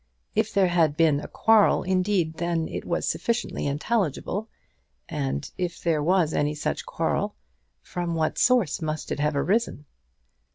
If there had been a quarrel, indeed, then it was sufficiently intelligible; and if there was any such quarrel, from what source must it have arisen?